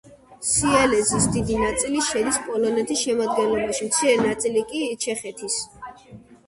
სილეზიის დიდი ნაწილი შედის პოლონეთის შემადგენლობაში, მცირე ნაწილი კი ჩეხეთის.